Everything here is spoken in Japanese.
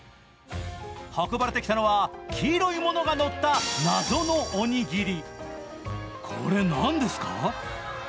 運ばれてきたのは、黄色いものがのった謎のおにぎり。